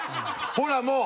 ほらもう。